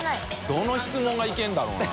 どの質問がいけるんだろうな。